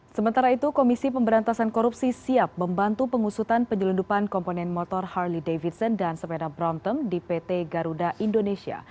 sementara itu komisi pemberantasan korupsi siap membantu pengusutan penyelundupan komponen motor harley davidson dan sepeda bromptom di pt garuda indonesia